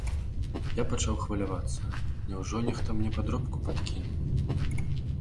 Я пачаў хвалявацца, няўжо нехта мне падробку падкінуў?